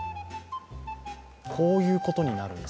こういうことになるんです。